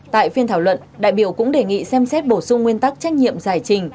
tại phiên thảo luận đại biểu cũng đề nghị xem xét bổ sung nguyên tắc trách nhiệm giải trình